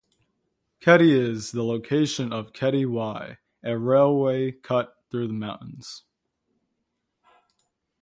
Keddie is the location of the Keddie Wye, a railway cut through the mountains.